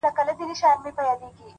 نن ملا په خوله کي بيا ساتلی گاز دی _